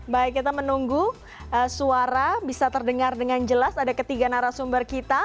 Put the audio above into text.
baik kita menunggu suara bisa terdengar dengan jelas ada ketiga narasumber kita